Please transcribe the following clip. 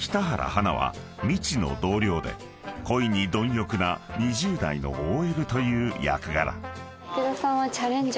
華はみちの同僚で恋に貪欲な２０代のＯＬという役柄］